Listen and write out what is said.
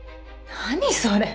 何それ？